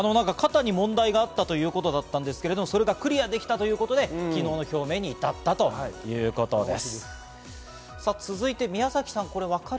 肩に問題があったということだったんですけど、それがクリアできたということで、昨日の表明に至ったということです。